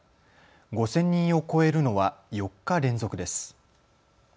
５０００人を超えるのは４日連続です。